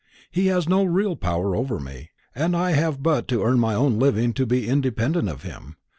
He has no real power over me, and I have but to earn my own living to be independent of him.